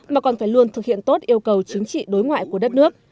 mà còn phải luôn thực hiện tốt yêu cầu chính trị đối ngoại của đất nước